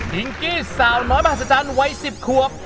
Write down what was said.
งกี้สาวน้อยมหัศจรรย์วัย๑๐ขวบ